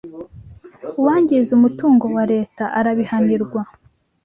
uwangiza umutungo wa Leta arabihanirwa